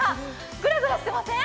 グラグラしてません？